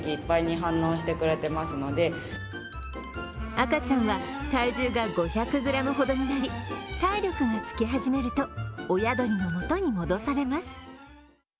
赤ちゃんは体重が５００ｇほどになり体力がつき始めると、親鳥の元に戻されます。